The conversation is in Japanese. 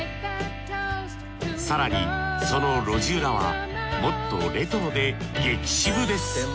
更にその路地裏はもっとレトロでゲキ渋です。